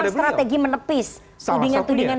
jadi ini memang strategi menepis tudingan tudingan